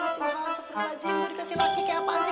seperti wajib gue dikasih lagi kayak apaan sih